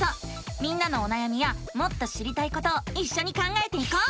みんなのおなやみやもっと知りたいことをいっしょに考えていこう！